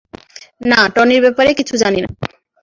না টনির ব্যাপারে কিছু জানিনা।